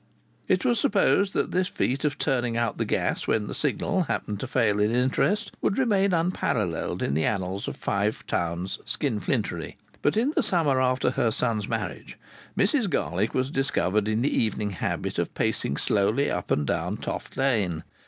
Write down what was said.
It was supposed that this feat of turning out the gas when the Signal happened to fail in interest would remain unparalleled in the annals of Five Towns skin flintry. But in the summer after her son's marriage, Mrs Garlick was discovered in the evening habit of pacing slowly up and down Toft Lane.